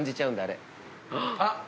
あっ！